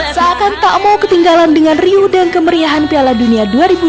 seakan tak mau ketinggalan dengan riuh dan kemeriahan piala dunia dua ribu dua puluh